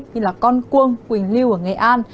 như là con cuông quỳnh lưu ở nghệ an